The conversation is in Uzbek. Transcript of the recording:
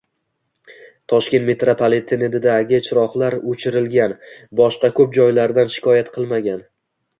Toshkent metropolitenidagi chiroqlar o'chirilgan, boshqa ko'p joylardan shikoyat qilinmagan